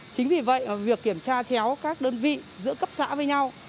chính vì vậy việc kiểm tra chéo các đơn vị giữa cấp xã với nhau